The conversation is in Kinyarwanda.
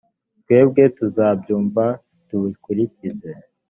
twebwe tuzabyumva, tubikurikize.»